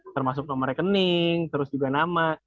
termasuk nomor rekening terus juga nama